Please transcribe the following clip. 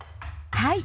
はい。